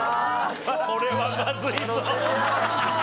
これはまずいぞ。